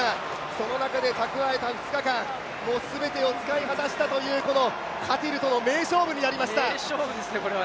その中で蓄えた２日間、もう全てを使い果たしたというこのカティルとの名勝負となりました。